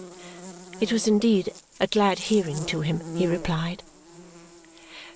It was indeed a glad hearing to him, he replied.